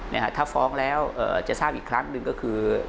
นะฮะถ้าฟ้องแล้วจะทราบอีกครั้งหนึ่งก็คือ